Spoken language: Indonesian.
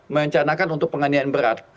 mencanakan untuk penganiayaan berat